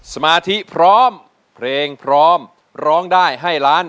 สมาธิพร้อมเพลงพร้อมร้องได้ให้ล้าน